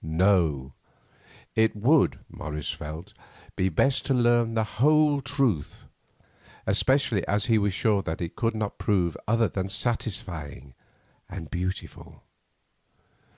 No; it would, Morris felt, be best to learn the whole truth, especially as he was sure that it could not prove other than satisfying and beautiful.